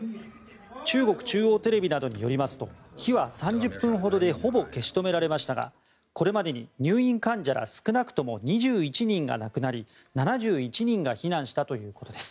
中国中央テレビなどによりますと火は３０分ほどでほぼ消し止められましたがこれまでに入院患者ら少なくとも２１人が亡くなり７１人が避難したということです。